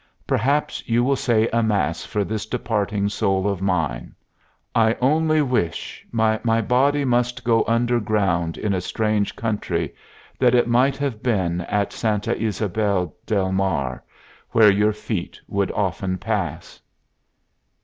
perhaps you will say a mass for this departing soul of mine. I only wish, must my body must go under ground in a strange country, that it might have been at Santa Ysabel did Mar, where your feet would often pass.